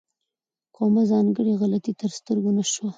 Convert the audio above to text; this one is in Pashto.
کومه ځانګړې غلطي تر سترګو نه شوه.